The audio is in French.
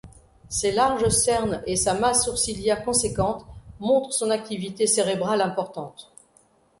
Ses larges cernes et sa masse sourcilière conséquente montrent son activité cérébrale importante.